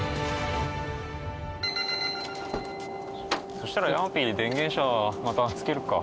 そしたら山ピー電源車またつけるか。